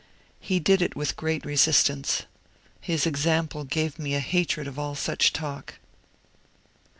He did it with great resistance. His example gave me a hatred of all such talk.'